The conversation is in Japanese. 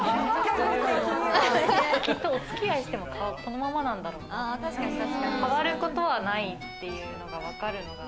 きっとお付き合いしても、このままなんだろうなって、変わることはないっていうのがわかるのが。